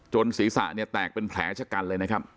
จนศรีษณะแตกเป็นแผลชะกันเลยนะครับ